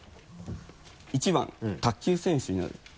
１番卓球選手になる。